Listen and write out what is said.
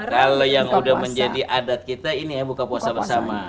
kalau yang udah menjadi adat kita ini ya buka puasa bersama